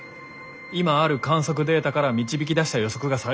今ある観測データから導き出した予測が最優先です。